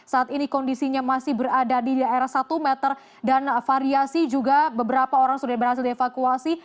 saat ini kondisinya masih berada di daerah satu meter dan variasi juga beberapa orang sudah berhasil dievakuasi